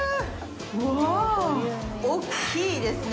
うわぁ、大きいですね！